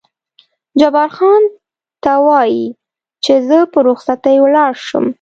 جبار خان: ته وایې چې زه په رخصتۍ ولاړ شم؟